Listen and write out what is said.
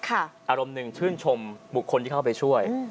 อารมณ์หนึ่งชื่นชมบุคคลที่เข้าไปช่วย